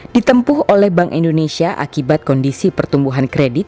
ditempuh oleh bank indonesia akibat kondisi pertumbuhan kredit